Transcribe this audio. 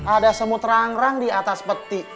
ada semut rang rang di atas peti